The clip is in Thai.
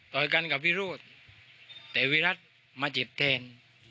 กันกับวิโรธแต่วิรัติมาเจ็บแทน